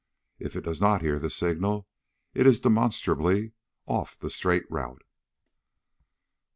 If it does not hear the signal, it is demonstrably off the straight route.